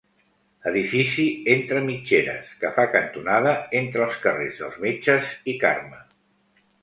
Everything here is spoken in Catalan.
Edifici entre mitgeres, que fa cantonada entre els carrers dels metges i Carme.